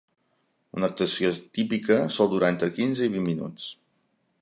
Una actuació típica sol durar entre quinze i vint minuts.